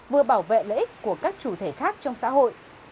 vừa bảo vệ lợi ích của các chủ thể khác trong xã hội